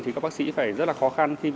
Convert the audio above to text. thì các bác sĩ phải rất là khó khăn